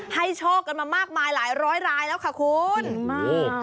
โชคกันมามากมายหลายร้อยรายแล้วค่ะคุณมาก